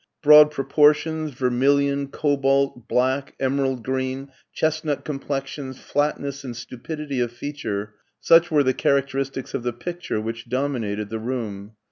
Broad propor tions, vermilion, cobalt, black, emerald green, chest nut complexions, flatness and stupidity of feature, such were the characteristics of the picture which dominated the room.